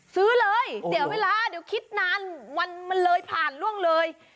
ซื้อเลยเสียเวลาเดี๋ยวคิดนานวันมันเลยผ่านล่วงเลย